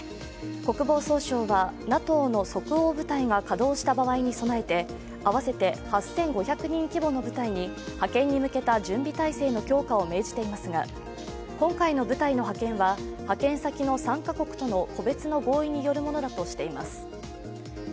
国防総省はＮＡＴＯの即応部隊が稼働した場合に備えて合わせて８５００人規模の部隊に派遣に向けた準備態勢の強化を命じていますが、今回の部隊の派遣は派遣先の３カ国との個別の合意によるものだとしています。